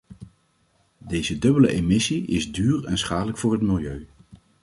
Deze dubbele emissie is duur en schadelijk voor het milieu.